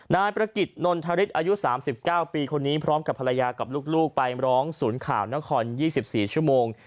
นายประกิจนนทริสอายุ๓๙ปีคนนี้พร้อมกับภรรยากับลูกไปร้องศูนย์ข่าวนคร๒๔ชั่วโมง